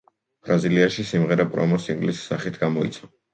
ბრაზილიაში სიმღერა პრომო სინგლის სახით გამოიცა.